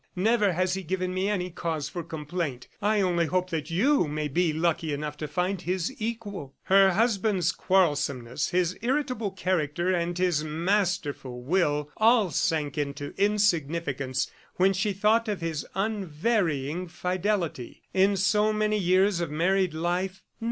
Never has he given me any cause for complaint. I only hope that you may be lucky enough to find his equal." Her husband's quarrelsomeness, his irritable character and his masterful will all sank into insignificance when she thought of his unvarying fidelity. In so many years of married life